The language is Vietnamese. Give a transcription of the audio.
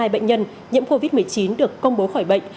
bảy mươi hai bệnh nhân nhiễm covid một mươi chín được công bố khỏi bệnh